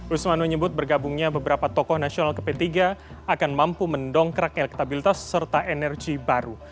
usman menyebut bergabungnya beberapa tokoh nasional ke p tiga akan mampu mendongkrak elektabilitas serta energi baru